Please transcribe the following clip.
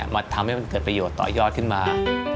ทำให้มันเกิดประโยชน์ต่อยอดขึ้นมา